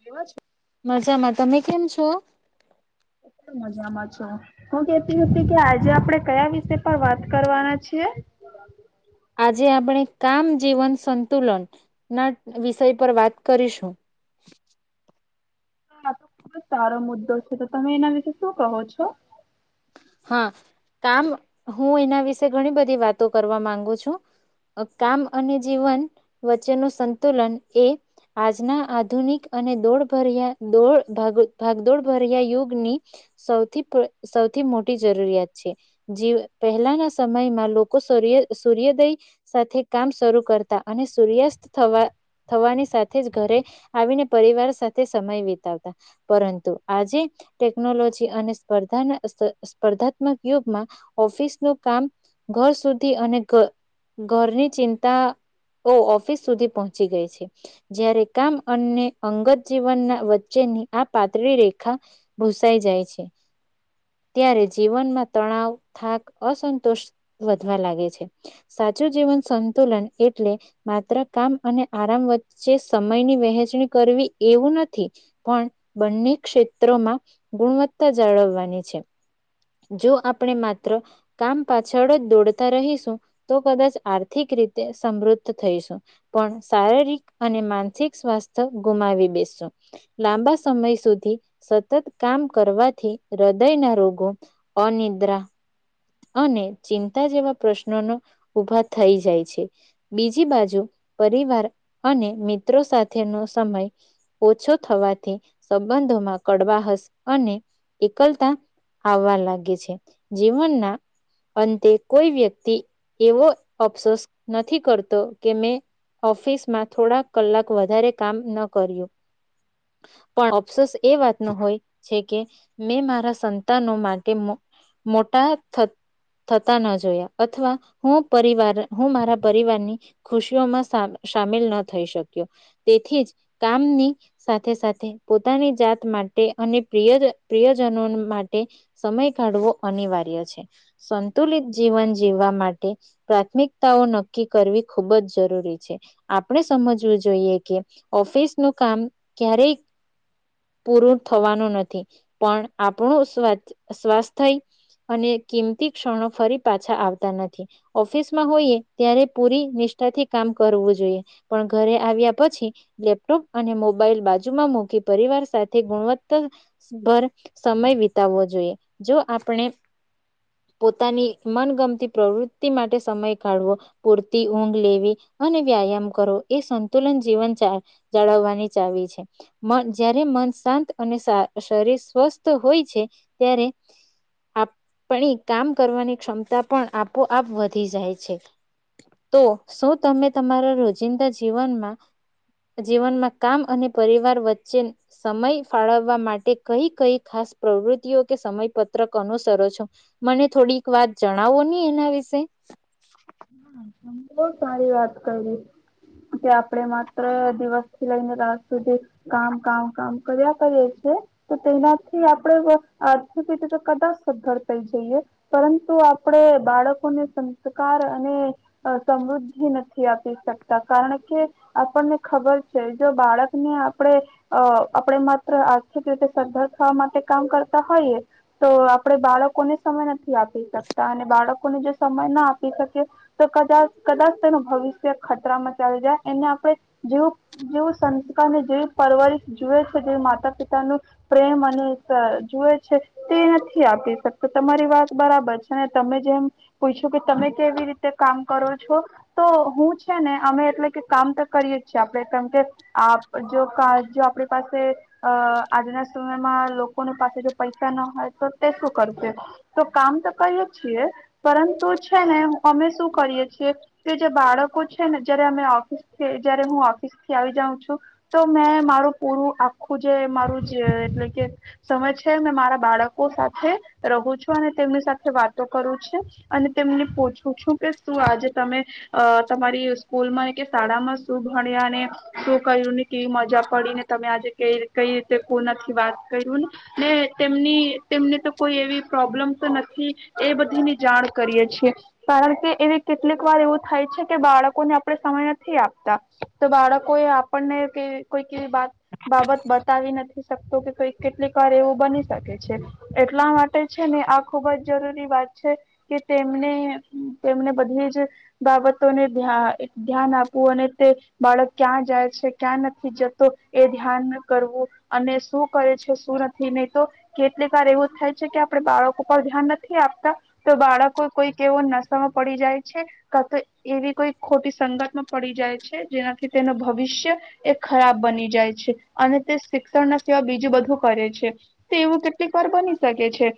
કેવા છો? મજામાં તમે કેમ છો. હું તો મજામાં છું શું કેતી હતી કે આજે આપડે કયા વિષ પર વાત કરવાના છીએ? આજે આપણે કામ જીવન સંતુલન ના વિષય પર વાત કરીશું. હ આ તો ખુબ જ સારો મુદ્દો છે તો તમે એના વિશે શું કહો છો. હા કામ હું એના વિશે ઘણી બધી વાતો કરવા માંગુ છું કામ અને જીવન વચ્ચેનું સંતુલન એ આજના આધુનિક અને દોડભર્યા દોડ ભાગદોડ ભર્યા યુગની સાઉ સૌથી થી મોટી જરૂરિયાત છે જ પહેલાના સમયમાં લોકો સૂર્ય સૂર્યોદય સાથે કામ શરૂ કરતા અને સૂર્યાસ્ત થવા થવાની સાથે જ ઘરે આવીને પરિવાર સાથે સમય વિતાવતા પરંતુ આજે ટેકનોલોજી અને સ્પર્ધા ની સ્પ ર્સ્પર્ધાત્મક યુગમાં ઓફિસ નું કામ ઘર સુધી અને ઘરની ચિંતાઓ ઓફિસ સુધી પહોંચી ગઈ છે જ્યારે કામ અને અંગત જીવનના વચ્ચેની આ પાતળી રેખા ભૂસાઈ જાય છે. ત્યારે જીવનમાં તણાવ થાક અસંતોષ વધવા લાગે છે સાચું જીવન સંતુલન એટલે માત્ર કામ અને આરામ વચ્ચે સમયની વહેંચણી કરવી એવું નથી પણ બંને ક્ષેત્રોમાં ગુણવત્તા જાળવવાની છે. જો આપણે માત્ર કામ પાછળ જ દોડતા રહીશું તો કદાચ આર્થિક રીતે સમૃદ્ધ થઈશું પણ શારીરિક અને માનસિક સ્વાસ્થ્ય ગુમાવી બેસશું લાંબા સમય સુધી સતત કામ કરવાથી હૃદયના રોગો અનિદ્રા. અને ચિંતા જેવા પ્રશ્નો નો ઉભા થઈ જાય છે બીજી બાજુ પરિવાર અને મિત્રો સાથેનો સમય ઓછો થવાથી સંબંધોમાં કડવાહસ અને એકલતા આવવા લાગે છે જીવનના અંતે કોઈ વ્યક્તિ એવો અફસોસ નથી કરતો કે મેં ઓફિસમાં થોડાક કલાક વધારે કામ ન કર્યું પણ અફસોસ એ વાત ન હોય છે કે મેં મારા સંતાનો માટે મોં મોટા થતા ન જોયા અથવા હું પરિવાર હું મારા પરિવારની ખુશીઓમાં સા સામીલ ન થઈ શક્યો તેથી જ કામની સાથે સાથે પોતાની જાત માટે અને પ્રિય પ્રિયજનો માટે સમય કાઢવો અનિવાર્ય છે. સંતુલિત જીવન જીવવા માટે પ્રાથમિકતાઓ નક્કી કરવી ખુબ જ જરૂરી છે આપણે સમજવું જોઈએ કે ઓફિસ નું કામ ક્યારેય પૂરું થવાનું નથી પણ આપણું સ્ સ્વાસ્થય અને કિંમતી ક્ષણો ફરી પાછા આવતા નથી ઓફિસમાં હોઈએ ત્યારે પૂરી નિષ્ઠાથી કામ કરવું જોઈએ પણ ઘરે આવ્યા પછી લેપટોપ અને મોબાઈલ બાજુમાં મૂકી પરિવાર સાથે ગુણવત્તા ભર સમય વિતાવવો જોઈએ જો આપણે પોતાની મનગમતી પ્રવૃતિ માટે સમય કાઢવો પૂરતી ઊંઘ લેવી અને વ્યાયામ કરો એ સંતુલન જીવન જાળવવાની ચાવી છે જ્યારે મન શાંત અને શરીર સ્વસ્થ હોય છે ત્યારે આ પણણી કામ કરવાની ક્ષમતા પણ આપોઆપ વધી જાય છે તો શું તમે તમારા રોજિંદા જીવનમાં જીવનમાં કામ અને પરિવાર વચ્ચે સમય ફાળવવા માટે કઈ કઈ ખાસ પ્રવૃત્તિઓ કે સમયપત્રક અનુસરો છો. મને થોડીક વાત જણાવો ની એના વિશે. હ બો સારી વાત કરી કે આપડે માત્ર દિવસ થી લઈને રા સુઘી કામ કામ કામ કર્યા કરીએ છીએ. તો તેનાથી આપણે આર્થિક રીતે કદાચ સધર થઈ જઈએ પરંતુ આપણે બાળકોને સંસ્કાર સમૃદ્ધિ નથી આપી શકતા કારણ કે આપણને ખબર છે જો બાળકને આપણે આપણે માત્ર આર્થિક રીતે સદ્ધર થવા માટે કામ કરતા હોઈએ તો આપણે બાળકોને સમય નથી. આપી શકતા અને બાળકો લોકોને જે સમય ના આપી શકે તો કદાચ કદાચ તેનું ભવિષ્ય ખતરામાં ચાલી જાય એને આપણે જેવું જેવું સંસ્કારને જેવી પરવરશ જુએ છે જેવી માતા પિતાનું પ્રેમ અને જુએ છે તે નથી આપી શકતો તમારી વાત બરાબર છે ને તમે જેમ પૂછો કે તમે કેવી રીતે કામ કરો છો તો હું છે ને અમે એટલે કે કામ તો કરીએ જ છે આપણે કેમ કે આપ જો જો આપણી પાસે અ આજના સમયમાં લોકોની પાસે જો પૈસા ના હોય તો તે શું કરશે તો કામ તો કરીએ છીએ પરંતુ છે ને અમે શું કરીએ છીએ કે જે બાળકો છે ને જયારે અમે ઓફિસ જય હું ઓફિસ થી આવી જાઉં છું તો મેં મારું પૂરું આખું જે મારું એટલે કે સમય છે મે મારા બાળકો સાથે રહું છું અને તેમની સાથે વાતો કરું છું અને તેમની પો છું કે શું આજે તમે તમારી સ્કૂલમાં કે શાળામાં શું ભણ્યા ને શું કર્યુંને કેવી મજા પડીને તમે આજે ક કઈ રીતે કો નથી વાત કર્યું ને તેમની તેમને તો કોઈ એવી પ્રોબ્લેમ નથી એ બધીની જાણ કરીએ છીએ. કારણ કે એવી કેટલીક વાર એવું થાય છે કે બાળકોને આપણે સમય નથી આપતા તો બાળકો એ આપણને કોઈ વાત બાબત બતાવી નથી. કે કઈક કેટલીક વાર એવું બની શકે છે એટલા માટે છે ને આ ખુબ જ જરૂરી વાત છે કે તેમને તેમને બધી જ બાબતોને્યા ધ્યાન આપવું અને તે બાળક ક્યાં જાય છે ક્યાં નથી જતો એ ધ્યાન કરવું અને શું કરે છે શું નથી નહી તો કેટલી વાર એવું થાય છે કે આપડ બાળકો પર ધ્યાન નથી આપતા તો બાળકો કોઈ કે એવો પડી જાય છે ક એવી કોઈ ખોટી સંગતમાં પડી જાય છે જેનાથી તેનું ભવિષ્ય એ ખરાબ બની જાય છે અને તે શિક્ષણ ના સેવા બીજું બધું કરે છે તે એવું કેટલી વાર બની શકે છે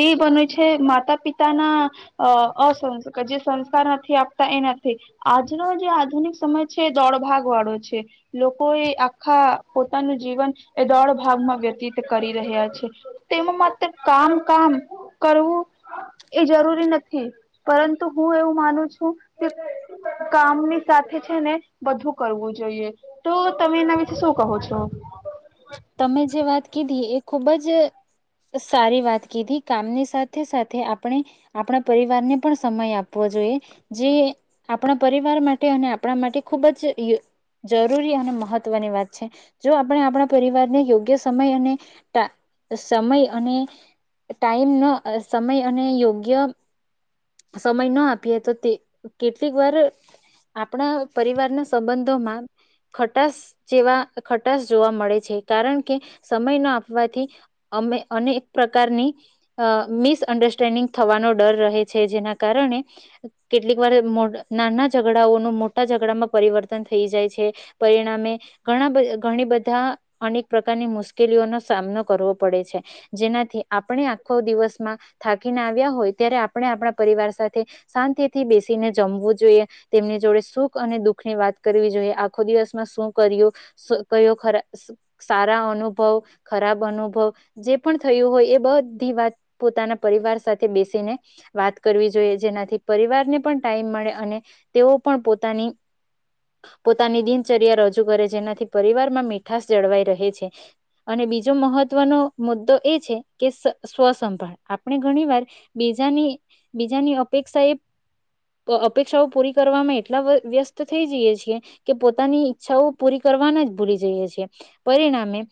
એ બને છે માતા પિતાના અ અસંસ કર જે સંસ્કાર નથી આપતા એ નથી. આજર જે આધુનિક સમય છે દોડ ભાગ વાળો છે લોકો એ આખા પોતાનું જીવન એ દોડ ભાગમાં વ્યતીત કરી રહ્યા છે તેમાં માત્ર કામ કામ કરવું એ જરૂરી નથી. પરંતુ હું એવું માનું છું કે કામની સાથે છે ને બધું કરવું જોઈએ તો તમે એના વિશે શું કહો છો. તમે જે વાત કીધી એ ખુબ જ સારી વાત કીધી કામની સાથે સાથે આપણે આપણા પરિવારને પણ સમય આપવો જોઈએ જે આપણા પરિવાર માટે અને આપણા માટે ખૂબ જ જરૂરી અને મહત્વની વાત છે જો આપણે આપણા પરિવારને યોગ્ય સમય અને સમય અને ટાઈમ ન સમય અને યોગ્ય સમય ન આપીએ તો તે કેટલીક વાર આપણા પરિવારના સંબંધોમાં ખટાસ જેવા ખટાસ જોવા મળે છે. છે. કારણ કે સમય ના આપવાથી અમે અનેક પ્રકારની અ મિસઅન્ડરસ્ટેન્ડિંગ થવાનો ડર રહે છે. જેના કારણે કેટલીક મોડ નાના ઝઘડાઓનું મોટા ઝઘડામાં પરિવર્તન થઈ જાય છે. પરિણામે ઘણા બ ઘણી બધા અનેક પ્રકારની મુશ્કેલીઓનો સામનો કરવો પડે છે. જેનાથી આપણે આખો દિવસમાં થાકીને આવ્યા હોય ત્યારે આપણે આપણા પરિવાર સાથે શાંતિથી બેસીને જમવું જોઈએ. તેમની જોડે સુખ અને દુખ ની વાત કરવી જોઈએ. આખો દિવસમાં શું કર્યું શું કર્યો ખરા સારા અનુભવ, ખરાબ અનુભવ જે પણ થયું હોય એ બધી વાત પોતાના પરિવાર સાથે બેસીને વાત કરવી જોઈએ. જેનાથી પરિવારને પણ ટાઈમ મળે અને તેઓ પણ પોતાની પોતાની દિનચર્યા રજૂ કરે જેનાથી પરિવાર માં મીઠાશ જળવાઈ રહે છે અને બીજો મહત્વનો મુદ્દો એ છે કે સ સ્વસંભાળ આપણે ઘણી વાર બીજાની બીજાની અપેક્ષા એ પ અપેક્ષાઓ પૂરી કરવામાં એટલા વ્યસ્ત થઈ જઈએ છીએ કે પોતાની ઈચ્છાઓ પૂરી કરવાના જ ભૂલી જઈએ છીએ. પરિણામે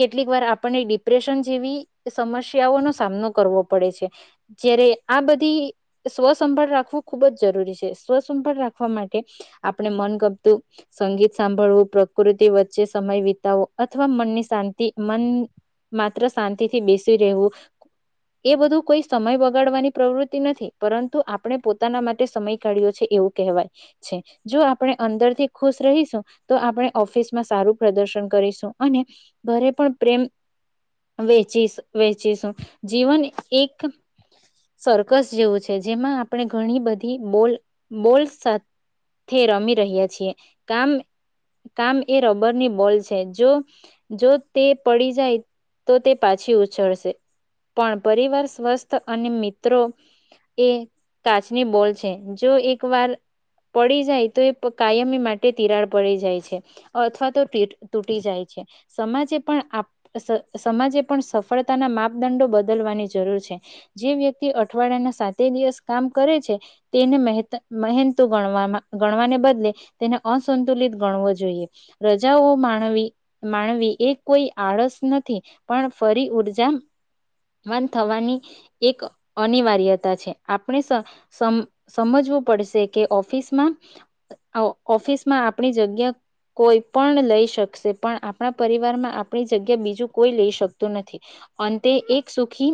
કેટલીક વાર આપણને ડિપ્રેશન જેવી સમસ્યાઓનો સામનો કરવો પડે છે. જયારે આ બધી સ્વસંભાળ રાખવું ખુબ જ જરૂરી છે. સ્વસંભાળ રાખવા માટે આપણે મન ગમતું સંગીત સાંભળવું, પ્રકૃતિ વચ્ચે સમય વિતાવો અથવા મનની શાંતિ, મન માત્ર શાંતિથી બેસી રહેવું. એ બધું કોઈ સમય બગાડવાની પ્રવૃતિ નથી. પરંતુ આપણે પોતાના માટે સમય કાઢ્યો છે એવું કહેવાય છે. જો આપણે અંદરથી ખુશ રહીશું તો આપણે ઓફિસમાં સારું પ્રદર્શન કરીશું અને ઘરે પણ પ્રેમ વેચીશ વેચીશું જીવન એક સરર્કસ જેવું છે જેમાં આપણે ઘણી બધી બોલ બોલ સા સાથે રમી રહ્યા છીએ કામ કામ એ રમ બરની બોલ છે. જો જો તે પડી જાય તો તે પાછી ઉછળશે. પણ પરિવાર સ્વસ્થ અને મિત્રો એ કાચની બોલ છે. જો એક વાર પડી જાય તો એ પ કાયમી માટે તિરાડ પડી જાય છે અથવા તુટીટ તૂટી જાય છે. સમાજે પણ આપ સમાજે પણ સફળતાના માપદંડો બદલવાની જરૂર છે જે વ્યક્તિ અઠવાડિયાના સાતે દિવસ કામ કરે છે. તેને મહેતા મહેનતુ ગણવામાં ગણવાને બદલે તેને અસંતુલિત ગણવો જોઈએ. રજાઓ માણવી માણવી એ કોઈ આળસ નથી. પણ ફરી ઊર્જા વાન થવાની એક અનિવાર્યતા છે. આપણે સ સમ સમજવું પડશે કે ઓફિસમાં ઓ ઓફિસમાં આપણી જગ્યા કોઈ પણ લઈ શકશે પણ આપણા પરિવારમાં આપણી જગ્યા બીજું કોઈ લઈ શકતું નથી. અંતે એક સુખી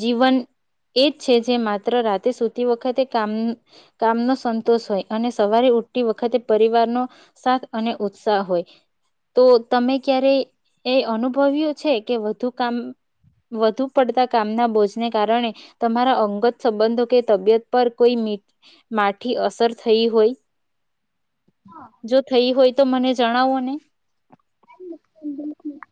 જીવન એ જ છે જે માત્ર રાતે સુતી વખતે કામ કામનો સંતોષ હોય અને સવારે ઉઠતી વખતે પરિવારનો સાથ અને ઉત્સાહ હોય તો તમે ક્યારે એ અનુભવ્યું છે કે વધુ કામ વધુ પડતા કામના બોજને કારણે તમારા અંગત સંબંધો કે તબિયત પર કોઈ મી માઠી અસર થઈ હોય. જો થઈ હોય તો, મને જણાવો ને. મુશ્કેલ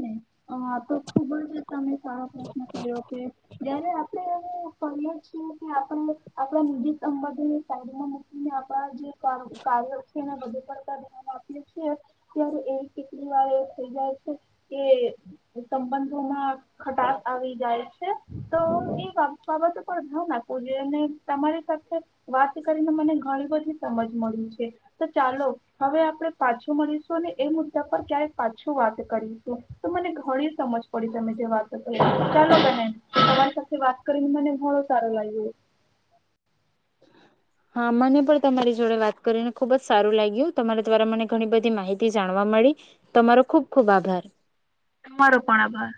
ને અ તો ખૂબ જ. તમે સારો પ્રશ્ન કર્યો કે જયારે આપણે કહીએ છે કે, આપણે આપણા નિજી સંબંધોને સાઈડમાં મૂકીને આપણા જે કામ કાલે ઉઠીને વધુ પડતા જવાબ આપીયે છીએ, ત્યારે એ કેટલી વાર થઈ જાય છે કે સંબંધોમાં ખટાસ આવી જાય છે તો એ બાબત પર ધ્યાન આપું જોઈ અને તમારી સાથે વાત કરીને મને ઘણી બધી સમજ મળી છે. હે. તો ચાલો હવે આપ આપડે પાછું મળીશું અને એ મુદ્દા પર ક્યાય પાછું વાત કરીશું. તો મને ઘણી સમજ પડી તમે જે વાતો કરી. ચાલો બેન તમારી સાથે વાત કરીને મને ઘણું સારુ લાગ્યું. હા મને પણ તમારી જોડે વાત કરીને ખુબ જ સારું લાગ્યું તમારા દ્વારા મને ઘણી બધી માહિતી જાણવા મળી તમારો ખુબ ખુબ આભાર. તમારો પણ આભાર.